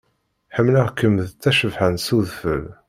Ḥemmleɣ-kem d tacebḥant s udfel.